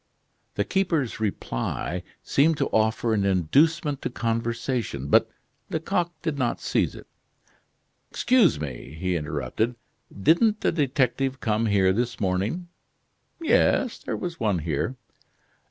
The keeper's reply seemed to offer an inducement to conversation, but Lecoq did not seize it. "Excuse me," he interrupted, "didn't a detective come here this morning?" "Yes, there was one here."